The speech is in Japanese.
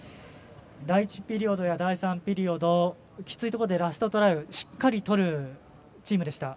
第１ピリオドや第３ピリオドきついところでラストトライをしっかりとるチームでした。